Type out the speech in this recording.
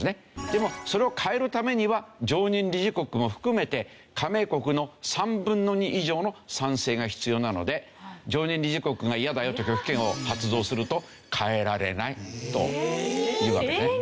でもそれを変えるためには常任理事国も含めて加盟国の３分の２以上の賛成が必要なので常任理事国が嫌だよと拒否権を発動すると変えられないというわけですね。